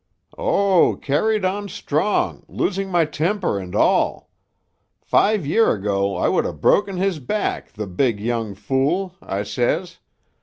"Oh, carried on strong, losing my temper and all. 'Five year ago I would ha' broken his back, the big young fool!' I says.